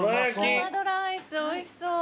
ナマドラアイスおいしそう。